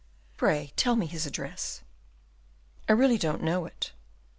"Pray tell me his address." "I really don't know it."